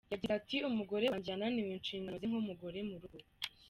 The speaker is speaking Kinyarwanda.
Yagize ati “Umugore wanjye yananiwe inshingano ze nk’umugore mu rugo.